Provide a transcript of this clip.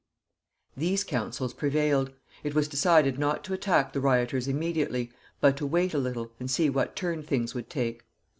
These counsels prevailed. It was decided not to attack the rioters immediately, but to wait a little, and see what turn things would take.